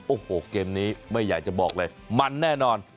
โอ้โหเกมนี้ไม่อยากจะบอกเลยมันแน่นอน